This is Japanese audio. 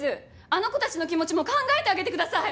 あの子たちの気持ちも考えてあげてください！